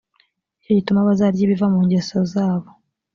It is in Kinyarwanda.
ni cyo gituma bazarya ibiva mu ngeso zabo